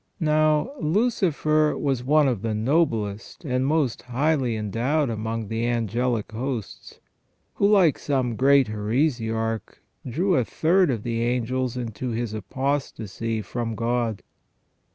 Now Lucifer was one of the noblest and most highly endowed among the angelic hosts, who like some great heresiarch drew a third of the angels into his apostasy from God.